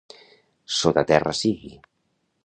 Sota terra sigui!